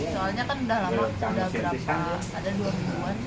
soalnya kan udah lama udah berapa ada dua mingguan